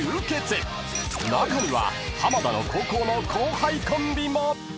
［中には浜田の高校の後輩コンビも］